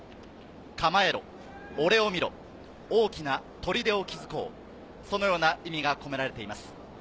構えろ、俺を見ろ、大きな砦を築こう、そのような意味が込められています。